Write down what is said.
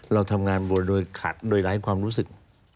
เราทำงานโดยขาดโดยไร้ความรู้สึก